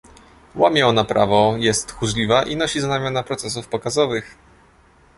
łamie ona prawo, jest tchórzliwa i nosi znamiona procesów pokazowych